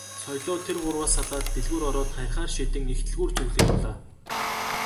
Соёлоо тэр гурваас салаад дэлгүүр ороод харихаар шийдэн их дэлгүүр зүглэн явлаа.